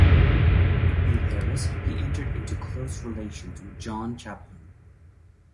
In Paris he entered into close relations with Jean Chapelain.